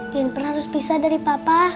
jeniper harus pisah dari papa